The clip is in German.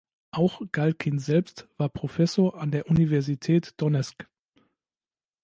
Auch Galkin selbst war Professor an der Universität Donezk.